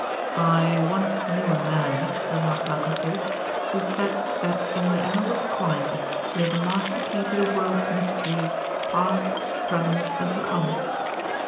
"I once knew a man," remarked Malcolm Sage, "who said that in the annals of crime lay the master key to the world's mysteries, past, present and to come."